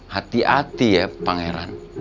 hati hati ya pangeran